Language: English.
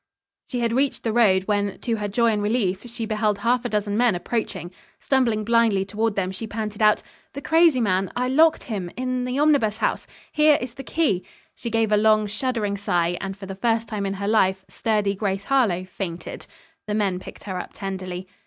She had reached the road, when, to her joy and relief, she beheld half a dozen men approaching. Stumbling blindly toward them, she panted out: "The crazy man I locked him in the Omnibus House. Here is the key." She gave a long, shuddering sigh, and for the first time in her life sturdy Grace Harlowe fainted. The men picked her up tenderly.